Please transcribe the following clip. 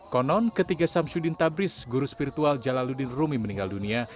konon ketiga samsudin tabris guru spiritual jalaluddin rumi meninggal dunia